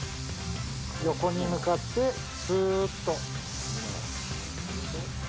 横に向かって、すーっと。